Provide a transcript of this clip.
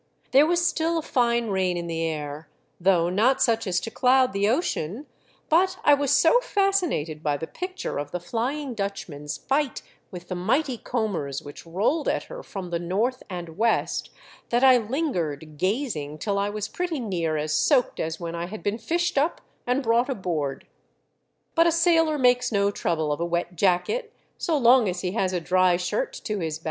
There was still a fine rain in the air, though not such as to cloud the ocean ; but I was so fascinated by the picture of the Flying Dutchman's fight with the mighty combers which rolled at her from the north and west that I lingered gazing till I was pretty near as soaked as when I had been fished up and brought aboard. But a sailor makes no trouble of a wet jacket so long as he has a dry shirt to his 202 THE DEATH SHIP.